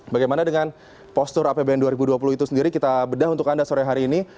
bagaimana dengan postur apbn dua ribu dua puluh itu sendiri kita bedah untuk anda sore hari ini